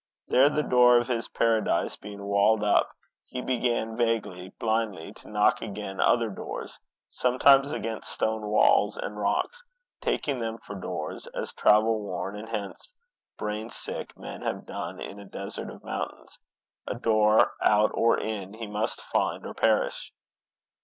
There, the door of his paradise being walled up, he began, vaguely, blindly, to knock against other doors sometimes against stone walls and rocks, taking them for doors as travel worn, and hence brain sick men have done in a desert of mountains. A door, out or in, he must find, or perish.